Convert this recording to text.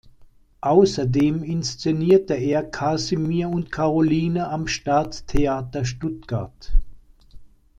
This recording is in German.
Außerdem inszenierte er "Kasimir und Karoline" am Staatstheater Stuttgart.